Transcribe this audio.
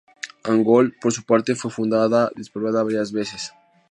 Angol, por su parte fue fundada y despoblada varias veces.